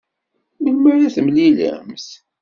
Melmi ara temlilemt?